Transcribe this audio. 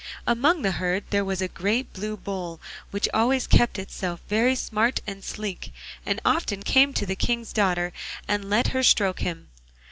Among the herd there was a great blue bull, which always kept itself very smart and sleek, and often came to the King's daughter and let her stroke him.